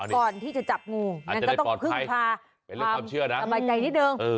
ก่อนที่จะจับงูนักก็ต้องพึ่งพาความตใบใจนิดนึง